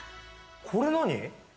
これ何？